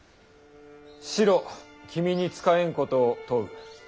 「子路君に事えんことを問う。